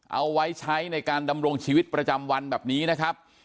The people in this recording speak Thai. เอาไว้ใช้ในการดำรงชีวิตประจำวันแบบนี้นะครับ